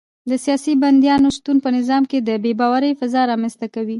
د سیاسي بندیانو شتون په نظام کې د بې باورۍ فضا رامنځته کوي.